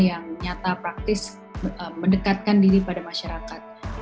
yang nyata praktis mendekatkan diri pada masyarakat